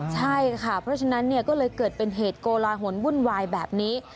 ใช่ค่ะเพราะฉะนั้นก็เลยเกิดเป็นเหตุโกลาหลวุ่นวายแบบนี้